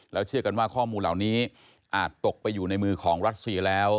แล้วเชื่อกันว่าข้อมูลเหล่านี้อาจตกไปอยู่ในมือของรัสเซียแล้ว